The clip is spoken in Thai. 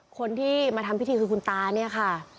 คนที่มาทำพิธีคือคุณตาเนี่ยค่ะ